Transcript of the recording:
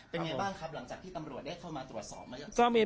เป็นไงบ้างครับหลังจากที่ตำรวจได้เข้ามาตรวจสอบมายัง